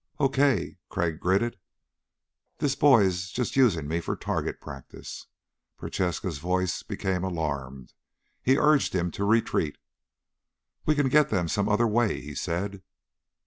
"Okay," Crag gritted. "This boy's just using me for target practice." Prochaska's voice became alarmed. He urged him to retreat. "We can get them some other way," he said.